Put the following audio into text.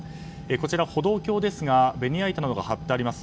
歩道橋ですがベニヤ板などが貼ってあります。